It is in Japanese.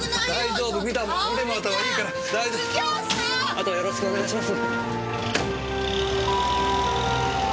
あとはよろしくお願いします。